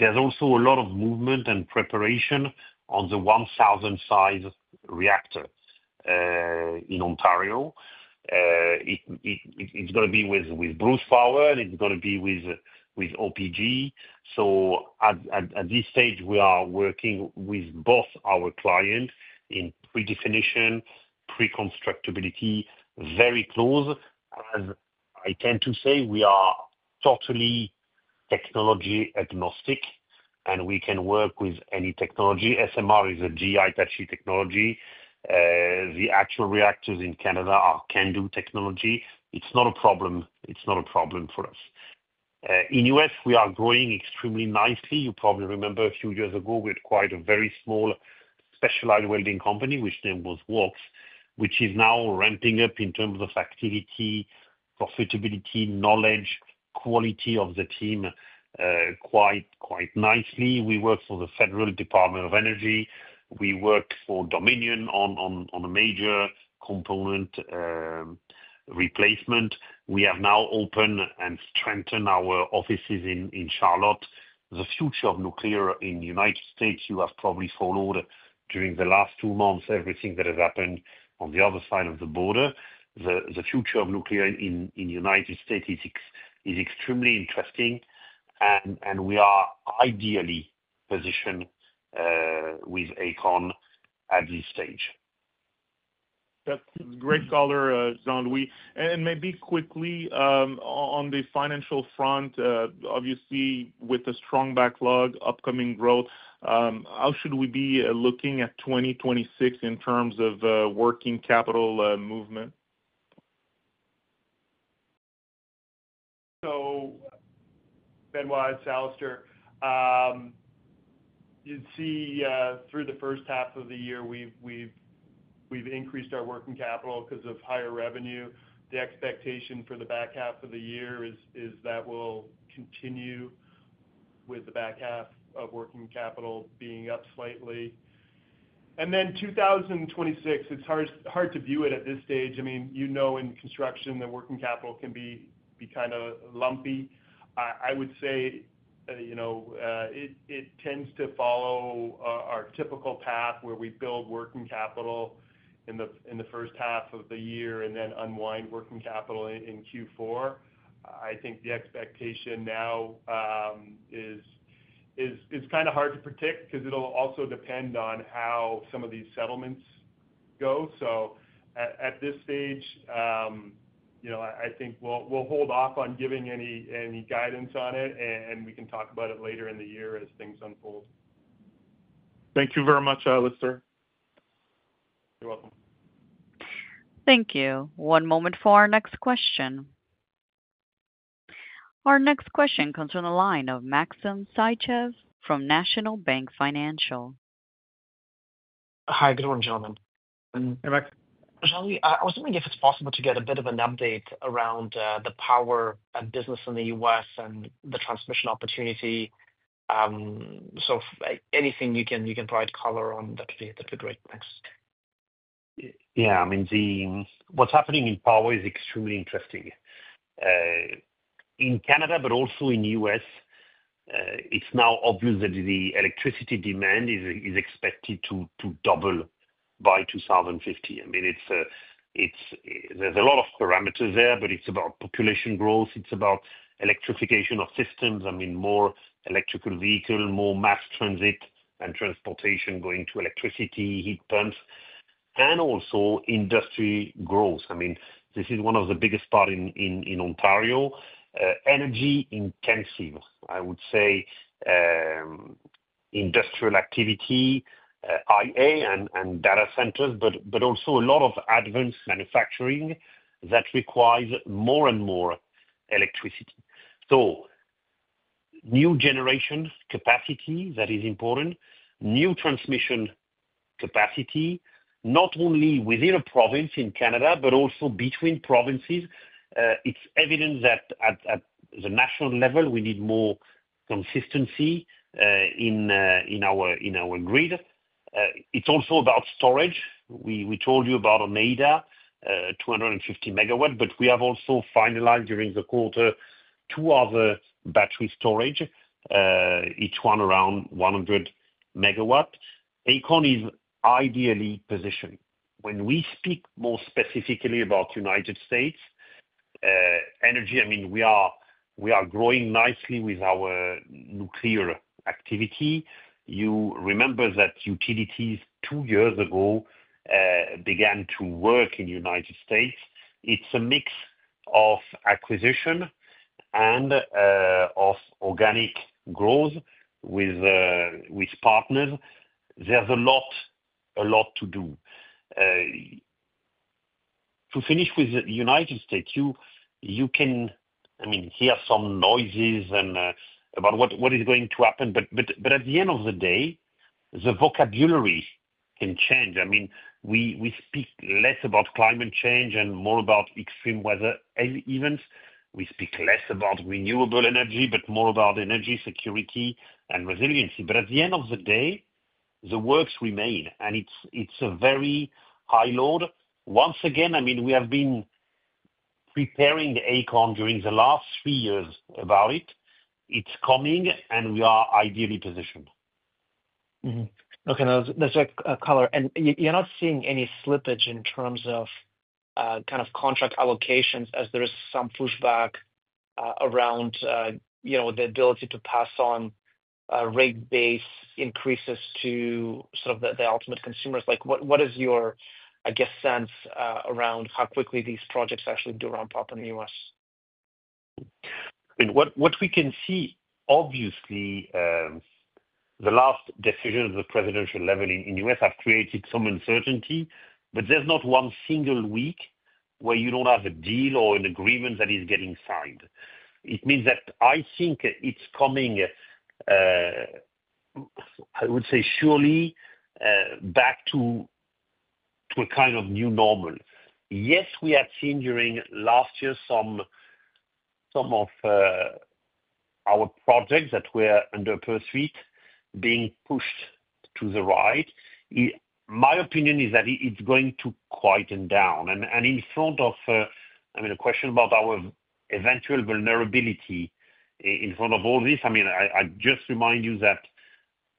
There's also a lot of movement and preparation on the 1,000-size reactor in Ontario. It's going to be with Bruce Power, and it's going to be with Ontario Power Generation. At this stage, we are working with both our clients in predefinition, pre-constructability, very close. As I tend to say, we are totally technology-agnostic, and we can work with any technology. SMR is a GI-taxi technology. The actual reactors in Canada are CANDU technology. It's not a problem. It's not a problem for us. In the U.S., we are growing extremely nicely. You probably remember a few years ago, we had quite a very small specialized welding company, which name was Waltz, which is now ramping up in terms of activity, profitability, knowledge, quality of the team, quite nicely. We work for the Federal Department of Energy. We work for Dominion on a major component replacement. We have now opened and strengthened our offices in Charlotte. The future of nuclear in the U.S., you have probably followed during the last two months everything that has happened on the other side of the border. The future of nuclear in the U.S. is extremely interesting. We are ideally positioned with Aecon at this stage. That's great color, Jean-Louis. Maybe quickly, on the financial front, obviously, with a strong backlog, upcoming growth, how should we be looking at 2026 in terms of working capital movement? Benoit, it's Alistair. You'd see, through the first half of the year, we've increased our working capital because of higher revenue. The expectation for the back half of the year is that we'll continue with the back half of working capital being up slightly. In 2026, it's hard to view it at this stage. I mean, in construction, the working capital can be kind of lumpy. I would say it tends to follow our typical path where we build working capital in the first half of the year and then unwind working capital in Q4. I think the expectation now is kind of hard to predict because it'll also depend on how some of these settlements go. At this stage, I think we'll hold off on giving any guidance on it, and we can talk about it later in the year as things unfold. Thank you very much, Alistair. You're welcome. Thank you. One moment for our next question. Our next question comes from the line of Maxim Sytchev from National Bank Financial. Hi. Good morning, gentlemen. Hey, Max. Jean-Louis, I was wondering if it's possible to get a bit of an update around the power business in the U.S. and the transmission opportunity. Anything you can provide color on, that'd be great. Thanks. Yeah. I mean, what's happening in power is extremely interesting. In Canada, but also in the U.S., it's now obvious that the electricity demand is expected to double by 2050. I mean, there's a lot of parameters there, but it's about population growth. It's about electrification of systems. I mean, more electrical vehicles, more mass transit and transportation going to electricity, heat pumps, and also industry growth. I mean, this is one of the biggest parts in Ontario. Energy-intensive, I would say, industrial activity, IA, and data centers, but also a lot of advanced manufacturing that requires more and more electricity. So new generation capacity that is important, new transmission capacity, not only within a province in Canada, but also between provinces. It's evident that at the national level, we need more consistency in our grid. It's also about storage. We told you about Oneida, 250 MW, but we have also finalized during the quarter two other battery storage, each one around 100 MW. Aecon is ideally positioned. When we speak more specifically about the United States, energy, I mean, we are growing nicely with our nuclear activity. You remember that utilities two years ago began to work in the United States. It's a mix of acquisition and of organic growth with partners. There's a lot to do. To finish with the United States, you can hear some noises about what is going to happen. At the end of the day, the vocabulary can change. I mean, we speak less about climate change and more about extreme weather events. We speak less about renewable energy, but more about energy security and resiliency. At the end of the day, the works remain, and it's a very high load. Once again, I mean, we have been preparing Aecon during the last three years about it. It's coming, and we are ideally positioned. Okay. Now, there's a color. You're not seeing any slippage in terms of, kind of contract allocations as there is some pushback around, you know, the ability to pass on rate-based increases to sort of the ultimate consumers. What is your, I guess, sense around how quickly these projects actually do ramp up in the U.S.? What we can see, obviously, the last decisions at the presidential level in the U.S. have created some uncertainty, but there's not one single week where you don't have a deal or an agreement that is getting signed. It means that I think it's coming, I would say, surely back to a kind of new normal. Yes, we have seen during last year some of our projects that were under pursuit being pushed to the right. My opinion is that it's going to quieten down. In front of a question about our eventual vulnerability in front of all this, I just remind you that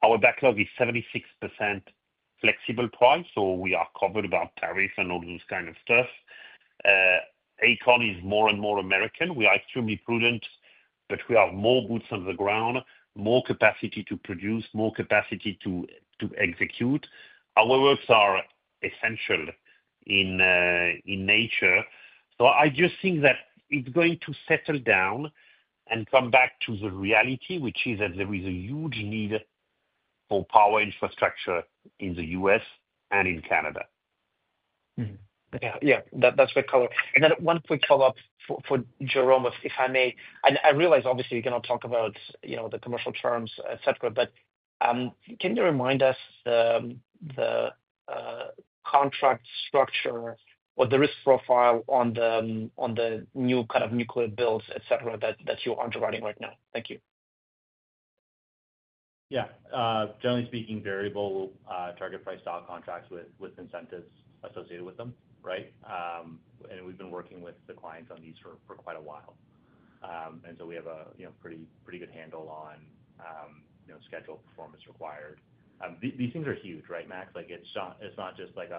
our backlog is 76% flexible price. We are covered about tariffs and all those kinds of stuff. Aecon is more and more American. We are extremely prudent, but we have more boots on the ground, more capacity to produce, more capacity to execute. Our works are essential in nature. I just think that it's going to settle down and come back to the reality, which is that there is a huge need for power infrastructure in the U.S. and in Canada. Okay. That's a good color. One quick follow-up for Jerome, if I may. I realize, obviously, you cannot talk about the commercial terms, etc. Can you remind us the contract structure or the risk profile on the new kind of nuclear builds, etc., that you're underwriting right now? Thank you. Yeah. Generally speaking, variable, target price style contracts with incentives associated with them, right? We've been working with the clients on these for quite a while, and we have a pretty good handle on scheduled performance required. These things are huge, right, Max? It's not just like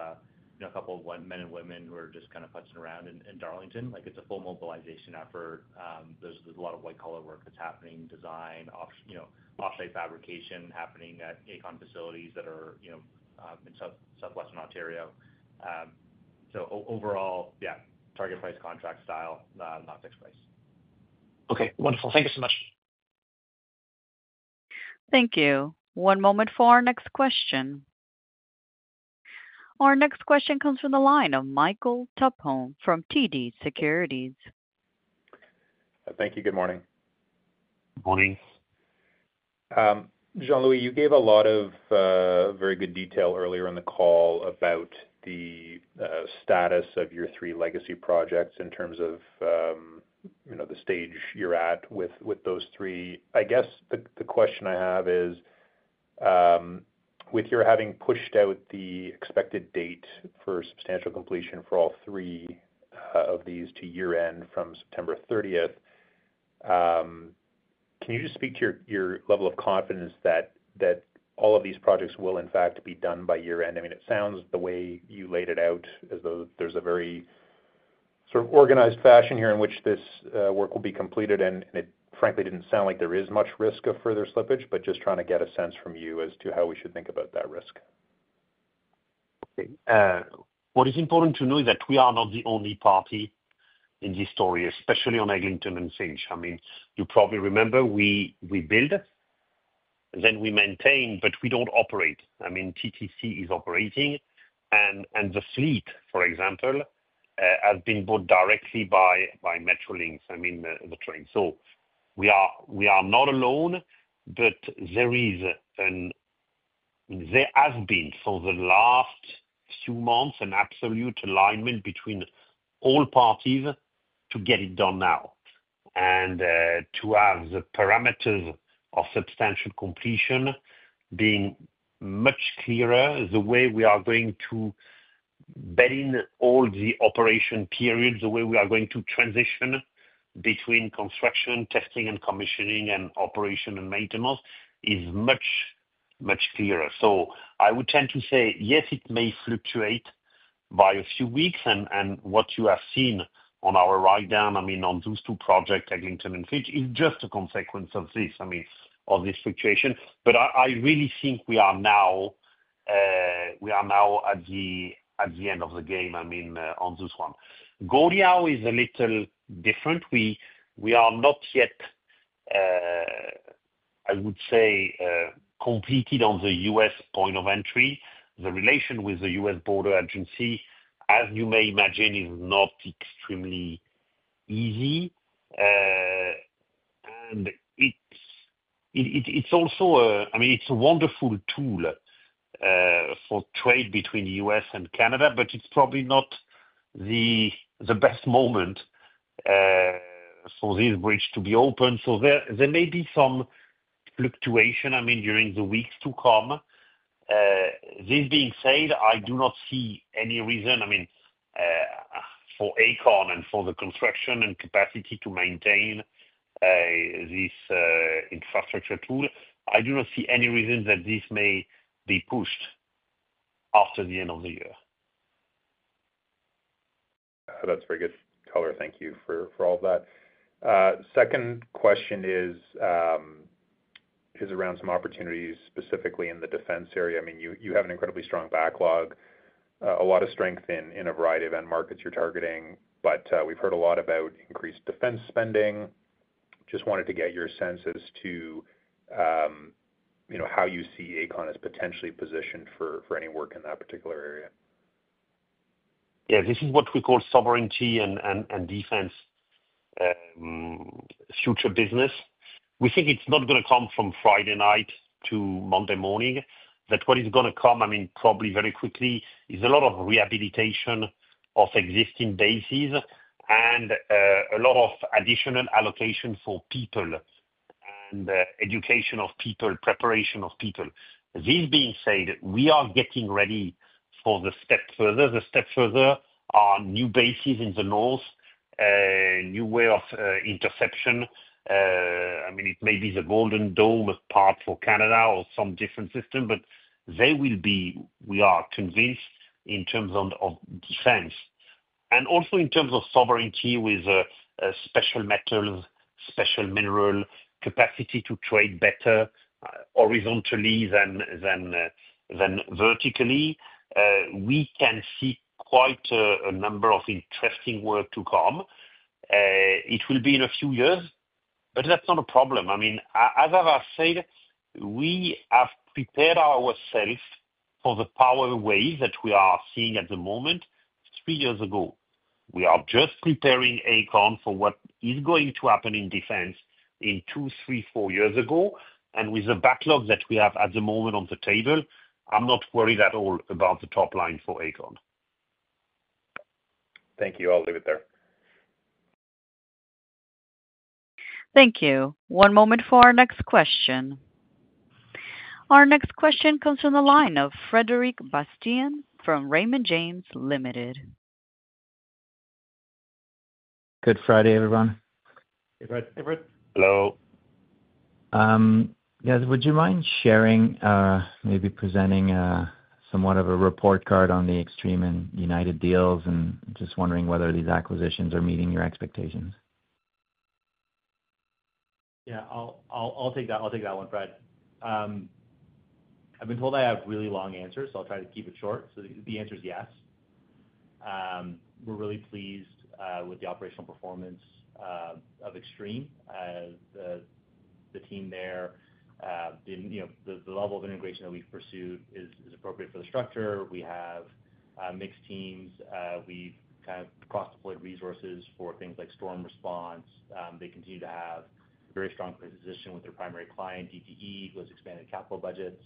a couple of men and women who are just kind of putzing around in Darlington. It's a full mobilization effort. There's a lot of white-collar work that's happening, design, offsite fabrication happening at Aecon facilities that are in southwestern Ontario. Overall, yeah, target price contract style, not fixed price. Okay. Wonderful. Thank you so much. Thank you. One moment for our next question. Our next question comes from the line of Michael Tupholme from TD Cowen. Thank you. Good morning. Good morning. Jean-Louis, you gave a lot of very good detail earlier in the call about the status of your three legacy projects in terms of, you know, the stage you're at with those three. I guess the question I have is, with your having pushed out the expected date for substantial completion for all three of these to year-end from September 30, can you just speak to your level of confidence that all of these projects will, in fact, be done by year-end? I mean, it sounds the way you laid it out as though there's a very sort of organized fashion here in which this work will be completed. It, frankly, didn't sound like there is much risk of further slippage, just trying to get a sense from you as to how we should think about that risk. Okay. What is important to know is that we are not the only party in this story, especially on Eglinton and Finch. I mean, you probably remember we build, then we maintain, but we don't operate. I mean, TTC is operating, and the fleet, for example, has been bought directly by Metrolinx, I mean, the train. So we are not alone, but there has been, over the last few months, an absolute alignment between all parties to get it done now and to have the parameters of substantial completion being much clearer, the way we are going to bed in all the operation periods, the way we are going to transition between construction, testing, and commissioning, and operation and maintenance is much, much clearer. I would tend to say, yes, it may fluctuate by a few weeks. What you have seen on our write-down, I mean, on those two projects, Eglinton and Finch, is just a consequence of this fluctuation. I really think we are now at the end of the game, I mean, on this one. Gordie Howe is a little different. We are not yet, I would say, completed on the U.S. point of entry. The relation with the U.S. border agency, as you may imagine, is not extremely easy. It's also, I mean, it's a wonderful tool for trade between the U.S. and Canada, but it's probably not the best moment for this bridge to be open. There may be some fluctuation during the weeks to come. This being said, I do not see any reason, I mean, for Aecon and for the construction and capacity to maintain this infrastructure tool. I do not see any reason that this may be pushed after the end of the year. That's a very good color. Thank you for all of that. Second question is around some opportunities specifically in the defense area. I mean, you have an incredibly strong backlog, a lot of strength in a variety of end markets you're targeting, but we've heard a lot about increased defense spending. Just wanted to get your sense as to how you see Aecon as potentially positioned for any work in that particular area. Yeah. This is what we call sovereignty and defense, future business. We think it's not going to come from Friday night to Monday morning. What is going to come, probably very quickly, is a lot of rehabilitation of existing bases and a lot of additional allocation for people and education of people, preparation of people. This being said, we are getting ready for the step further. The step further are new bases in the north, a new way of interception. It may be the Golden Dome part for Canada or some different system, but there will be, we are convinced, in terms of defense. Also in terms of sovereignty with special metals, special minerals, capacity to trade better, horizontally than vertically. We can see quite a number of interesting work to come. It will be in a few years, but that's not a problem. As I have said, we have prepared ourselves for the power wave that we are seeing at the moment three years ago. We are just preparing Aecon for what is going to happen in defense in two, three, four years. With the backlog that we have at the moment on the table, I'm not worried at all about the top line for Aecon. Thank you. I'll leave it there. Thank you. One moment for our next question. Our next question comes from the line of Frederic Bastien from Raymond James Ltd. Good Friday, everyone. Hey, Fred. Hello. Yes. Would you mind sharing, maybe presenting somewhat of a report card on the Extreme Power Line Construction and United Engineers and Constructors deals, and just wondering whether these acquisitions are meeting your expectations? Yeah. I'll take that one, Fred. I've been told I have really long answers, so I'll try to keep it short. The answer is yes. We're really pleased with the operational performance of Extreme. The team there, the level of integration that we've pursued is appropriate for the structure. We have mixed teams. We've kind of cross-deployed resources for things like storm response. They continue to have a very strong position with their primary client, DTE, who has expanded capital budgets.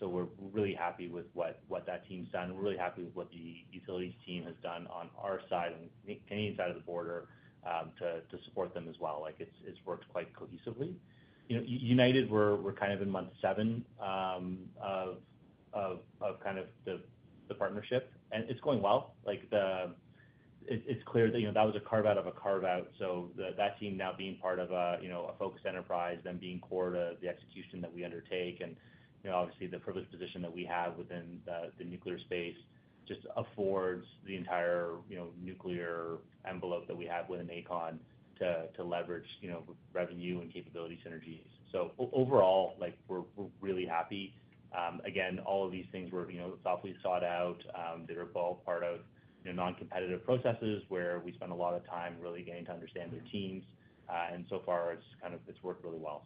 We're really happy with what that team's done. We're really happy with what the utilities team has done on our side and any side of the border to support them as well. It's worked quite cohesively. United, we're kind of in month seven of the partnership. It's going well. It's clear that was a carve-out of a carve-out. That team now being part of a focused enterprise, then being core to the execution that we undertake. Obviously, the privileged position that we have within the nuclear space just affords the entire nuclear envelope that we have within Aecon to leverage revenue and capability synergies. Overall, we're really happy. Again, all of these things were thoughtfully sought out. They're a ballpark of non-competitive processes where we spend a lot of time really getting to understand their teams. So far, it's worked really well.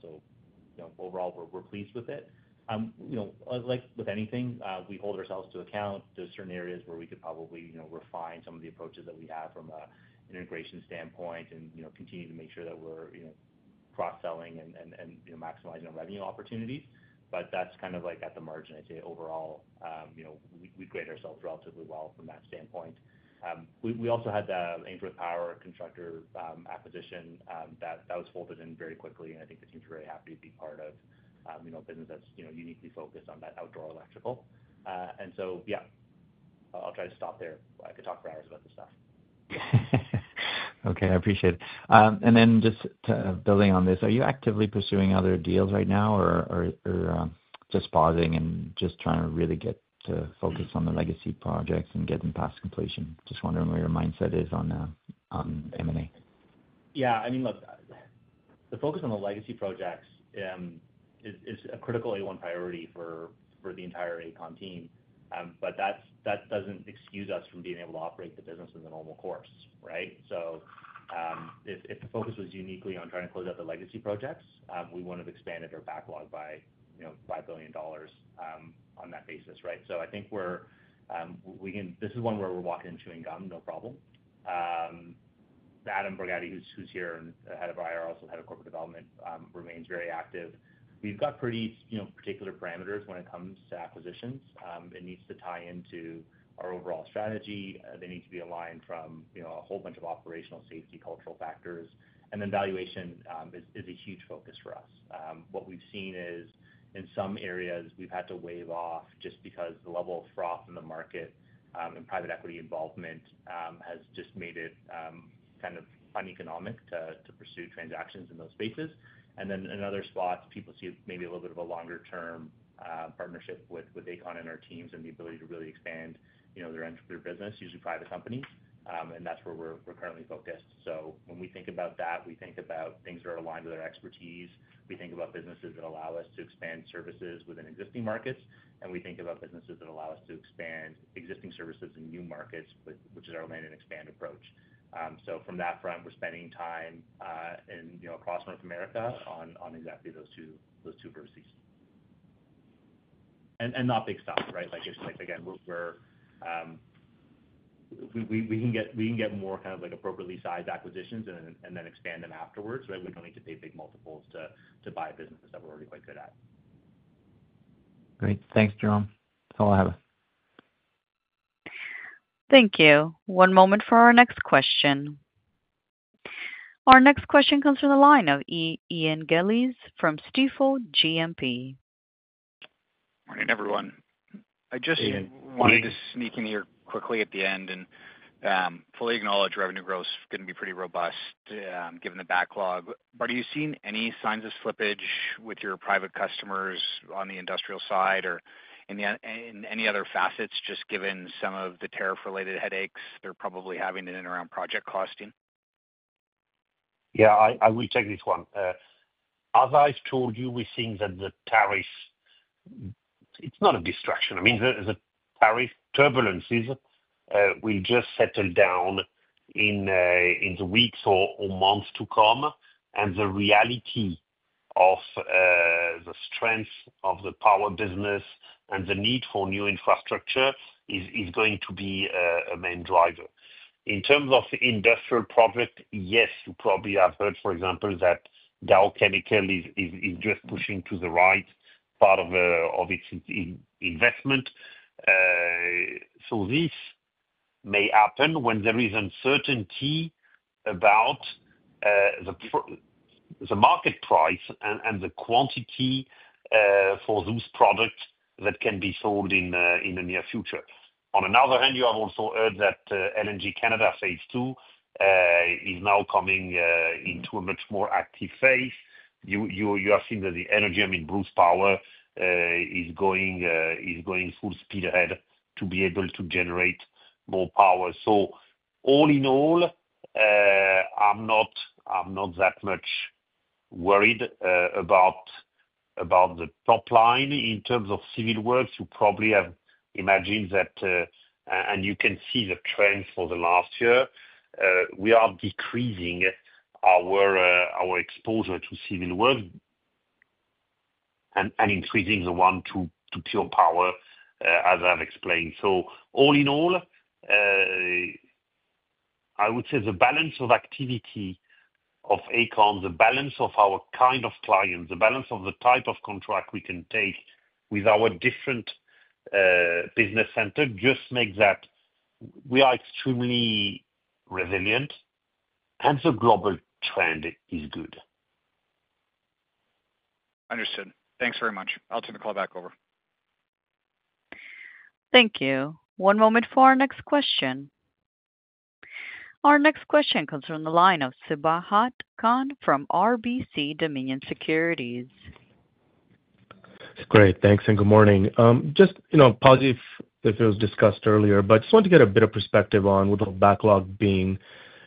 Overall, we're pleased with it. Like with anything, we hold ourselves to account. There are certain areas where we could probably refine some of the approaches that we have from an integration standpoint and continue to make sure that we're cross-selling and maximizing our revenue opportunities. That's kind of at the margin. I'd say overall, we've graded ourselves relatively well from that standpoint. We also had the Ainsworth Power Construction acquisition. That was folded in very quickly. I think the teams are very happy to be part of a business that's uniquely focused on that outdoor electrical. I'll try to stop there. I could talk for hours about this stuff. Okay. I appreciate it. Just to build on this, are you actively pursuing other deals right now, or just pausing and really trying to focus on the legacy projects and get them past completion? Just wondering where your mindset is on M&A. Yeah. I mean, look, the focus on the legacy projects is a critical A1 priority for the entire Aecon team. That doesn't excuse us from being able to operate the business in the normal course, right? If the focus was uniquely on trying to close out the legacy projects, we wouldn't have expanded our backlog by, you know, 5 billion dollars on that basis, right? I think this is one where we're walking to and gone, no problem. Adam Borgatti, who's here and the Head of our IR, also the Head of Corporate Development, remains very active. We've got pretty particular parameters when it comes to acquisitions. It needs to tie into our overall strategy. They need to be aligned from a whole bunch of operational, safety, cultural factors. Valuation is a huge focus for us. What we've seen is, in some areas, we've had to wave off just because the level of froth in the market and private equity involvement has just made it kind of uneconomic to pursue transactions in those spaces. In another spot, people see it maybe a little bit of a longer-term partnership with Aecon and our teams and the ability to really expand their business, usually private companies, and that's where we're currently focused. When we think about that, we think about things that are aligned with our expertise. We think about businesses that allow us to expand services within existing markets, and we think about businesses that allow us to expand existing services in new markets, which is our land and expand approach. From that front, we're spending time across North America on exactly those two vertices. Not big stuff, right? Like, again, we can get more kind of like appropriately sized acquisitions and then expand them afterwards, right? We don't need to pay big multiples to buy a business that we're already quite good at. Great. Thanks, Jerome. That's all I have. Thank you. One moment for our next question. Our next question comes from the line of Ian Brooks Gillies from Stifel GMP. Morning, everyone. I just wanted to sneak in here quickly at the end and fully acknowledge revenue growth is going to be pretty robust, given the backlog. Are you seeing any signs of slippage with your private customers on the industrial side or in any other facets, just given some of the tariff-related headaches they're probably having in and around project costing? Yeah. I will take this one. As I've told you, we think that the tariffs, it's not a distraction. I mean, the tariff turbulences will just settle down in the weeks or months to come. The reality of the strength of the power business and the need for new infrastructure is going to be a main driver. In terms of industrial projects, yes, you probably have heard, for example, that Dow Chemical is just pushing to the right part of its investment. This may happen when there is uncertainty about the market price and the quantity for those products that can be sold in the near future. On another hand, you have also heard that LNG Canada phase II is now coming into a much more active phase. You have seen that the energy, I mean, Bruce Power, is going full speed ahead to be able to generate more power. All in all, I'm not that much worried about the top line in terms of civil works. You probably have imagined that, and you can see the trend for the last year. We are decreasing our exposure to civil works and increasing the one to pure power, as I've explained. All in all, I would say the balance of activity of Aecon, the balance of our kind of clients, the balance of the type of contract we can take with our different business center just makes that we are extremely resilient and the global trend is good. Understood. Thanks very much. I'll turn the call back over. Thank you. One moment for our next question. Our next question comes from the line of Sabahat Khan from RBC Capital Markets. That's great. Thanks. Good morning. I'm positive that it was discussed earlier, but I just wanted to get a bit of perspective on, with our backlog being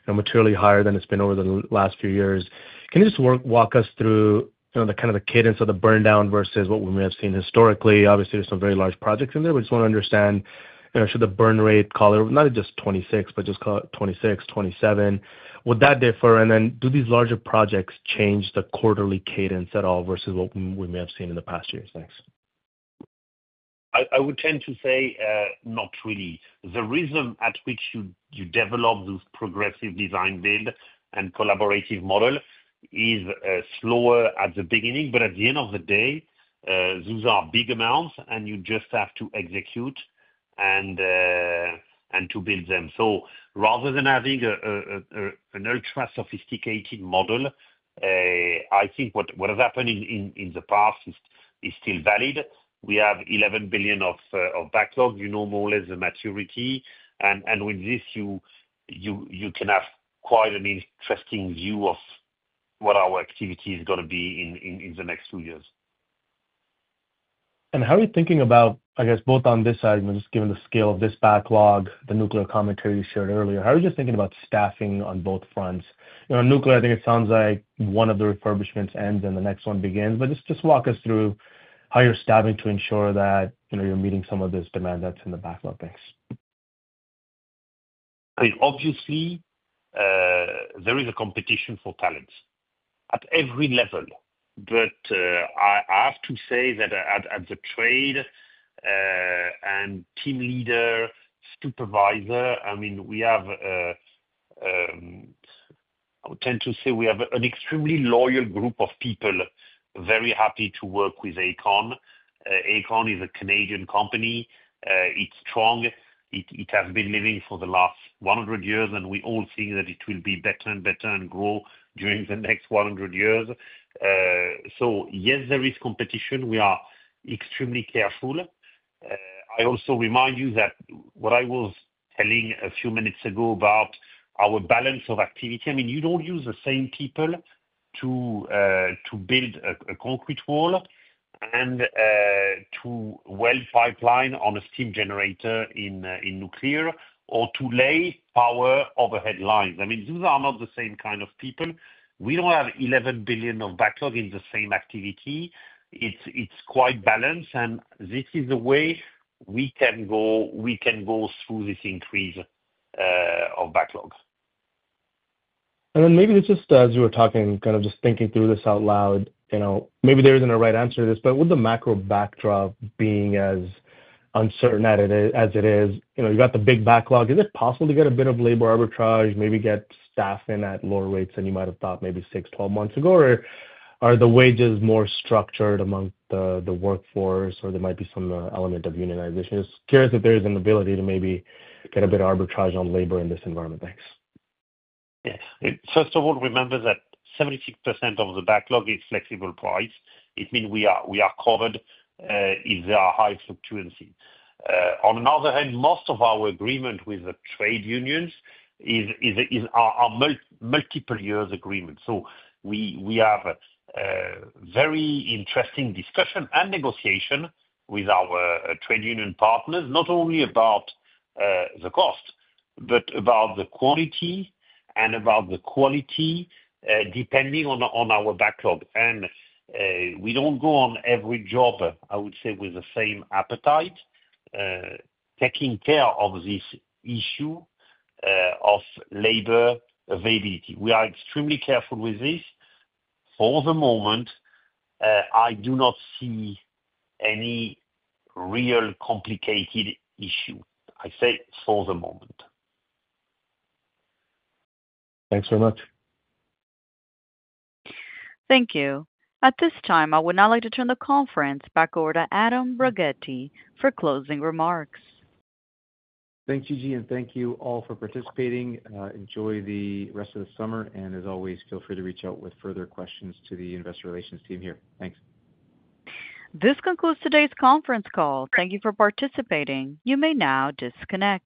materially higher than it's been over the last few years, can you just walk us through the cadence of the burndown versus what we may have seen historically? Obviously, there's some very large projects in there. We just want to understand, should the burn rate, call it not just 2026, but just call it 2026, 2027, would that differ? Do these larger projects change the quarterly cadence at all versus what we may have seen in the past few years? Thanks. I would tend to say not really. The rhythm at which you develop those progressive design build and collaborative model is slower at the beginning. At the end of the day, those are big amounts, and you just have to execute and to build them. Rather than having an ultra-sophisticated model, I think what has happened in the past is still valid. We have 11 billion of backlog. You know more or less the maturity, and with this, you can have quite an interesting view of what our activity is going to be in the next two years. How are you thinking about, I guess, both on this side, you know, just given the scale of this backlog, the nuclear commentary you shared earlier, how are you just thinking about staffing on both fronts? You know, nuclear, I think it sounds like one of the refurbishments ends and the next one begins. Just walk us through how you're staffing to ensure that, you know, you're meeting some of this demand that's in the backlog. Thanks. Obviously, there is a competition for talents at every level. I have to say that at the trade and team leader supervisor, I mean, we have, I would tend to say we have an extremely loyal group of people very happy to work with Aecon. Aecon is a Canadian company. It's strong. It has been living for the last 100 years, and we all think that it will be better and better and grow during the next 100 years. Yes, there is competition. We are extremely careful. I also remind you that what I was telling a few minutes ago about our balance of activity, I mean, you don't use the same people to build a concrete wall and to weld pipeline on a steam generator in nuclear or to Lay power over headlines. I mean, these are not the same kind of people. We don't have 11 billion of backlog in the same activity. It's quite balanced. This is the way we can go. We can go through this increase of backlog. As you were talking, kind of just thinking through this out loud, you know, maybe there isn't a right answer to this, but with the macro backdrop being as uncertain as it is, you know, you've got the big backlog. Is it possible to get a bit of labor arbitrage, maybe get staff in at lower rates than you might have thought maybe six, 12 months ago, or are the wages more structured among the workforce, or there might be some element of unionization? Just curious if there is an ability to maybe get a bit of arbitrage on labor in this environment. Yes. Yes. First of all, remember that 76% of the backlog is flexible price. It means we are covered if there are high fluctuations. On another hand, most of our agreement with the trade unions is a multiple years agreement. We have a very interesting discussion and negotiation with our trade union partners, not only about the cost, but about the quality and about the quality, depending on our backlog. We don't go on every job, I would say, with the same appetite, taking care of this issue of labor availability. We are extremely careful with this. For the moment, I do not see any real complicated issue, I say, for the moment. Thanks very much. Thank you. At this time, I would now like to turn the conference back over to Adam Borgatti for closing remarks. Thank you, Jean, and thank you all for participating. Enjoy the rest of the summer. As always, feel free to reach out with further questions to the Investor Relations team here. Thanks. This concludes today's conference call. Thank you for participating. You may now disconnect.